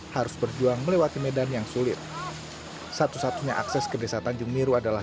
harus berjuang melewati medan yang sulit satu satunya akses ke desa tanjung miru adalah